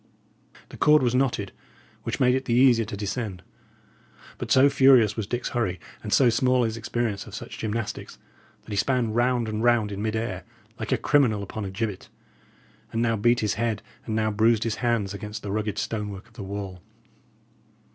The cord was knotted, which made it the easier to descend; but so furious was Dick's hurry, and so small his experience of such gymnastics, that he span round and round in mid air like a criminal upon a gibbet, and now beat his head, and now bruised his hands, against the rugged stonework of the wall.